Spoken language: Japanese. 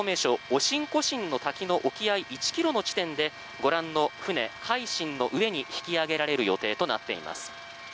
オシンコシンの滝の沖合１ｋｍの地点でご覧の船、「海進」の上に引き揚げられる予定となっています。